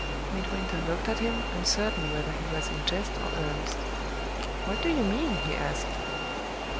Midwinter looked at him, uncertain whether he was in jest or earnest. "What do you mean?" he asked.